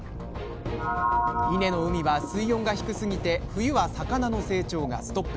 伊根の海は水温が低すぎて冬は魚の成長がストップ。